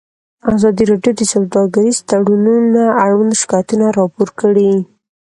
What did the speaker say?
ازادي راډیو د سوداګریز تړونونه اړوند شکایتونه راپور کړي.